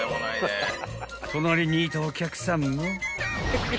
［隣にいたお客さんも］